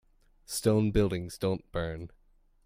Stone buildings don't burn.